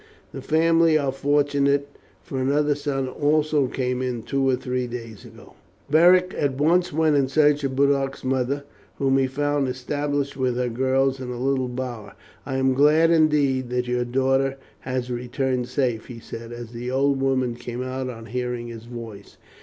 The family are fortunate, for another son also came in two or three days ago." Beric at once went in search of Boduoc's mother, whom he found established with her girls in a little bower. "I am glad indeed that your daughter has returned safe," he said, as the old woman came out on hearing his voice.